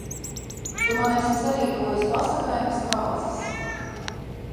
Tu man esi sarīkojis pasakainas kāzas.